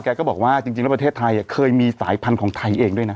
ก็บอกว่าจริงแล้วประเทศไทยเคยมีสายพันธุ์ของไทยเองด้วยนะ